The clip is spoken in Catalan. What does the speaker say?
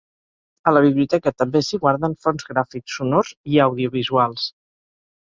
A la biblioteca també s'hi guarden fons gràfics, sonors i audiovisuals.